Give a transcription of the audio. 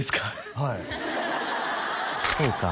はいそうか